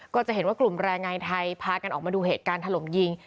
ก็จะเห็นว่ากลุ่มแรงงานไทยพากันออกมาดูเหตุการณ์ถล่มยิง